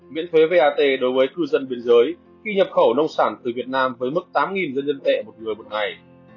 miễn thuế vat đối với cư dân biên giới khi nhập khẩu nông sản từ việt nam với mức tám dân dân tệ một người một ngày